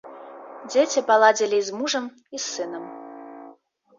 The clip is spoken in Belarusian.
Дзеці паладзілі і з мужам, і з сынам.